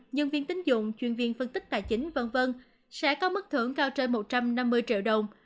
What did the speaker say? nhân viên tính dụng chuyên viên phân tích tài chính v v sẽ có mức thưởng cao trên một trăm năm mươi triệu đồng